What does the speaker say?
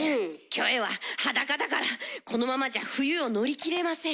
キョエは裸だからこのままじゃ冬を乗り切れません。